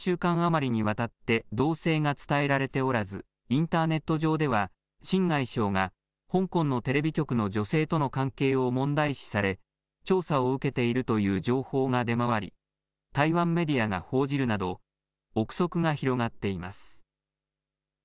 秦外相を巡っては、３週間余りにわたって動静が伝えられておらず、インターネット上では、秦外相が香港のテレビ局の女性との関係を問題視され、調査を受けているという情報が出回り、台湾メディアが報じるなど、臆測が広がっています。